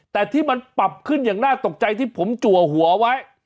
แต่ที่มันปรับขึ้นอย่างน่าตกใจที่ผมจัวหัวไว้